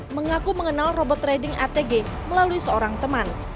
mengaku mengenal robot trading atg melalui seorang teman